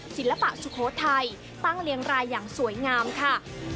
ศิลปะสุโขทัยตั้งเรียงรายอย่างสวยงามค่ะ